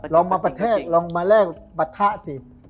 ลองมาประเทศลองมาแลกปะทะสิ